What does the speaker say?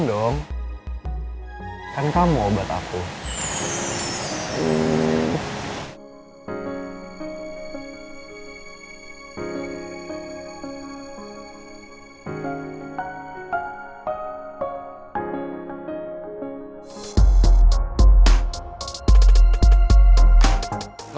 lagian kan aku udah bilang ke papa